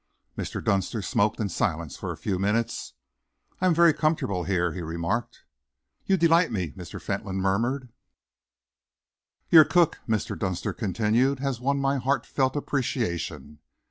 Mr. Dunster smoked in silence for a few minutes. "I am very comfortable here," he remarked. "You delight me," Mr. Fentolin murmured. "Your cook," Mr. Dunster continued, "has won my heartfelt appreciation.